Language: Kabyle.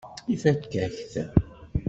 Ifakk-ak-t.